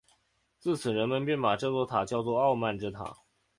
自此人们便把这座塔叫作傲慢之塔。